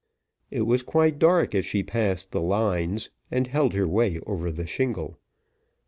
It was quite dark as she passed the lines, and held her way over the shingle.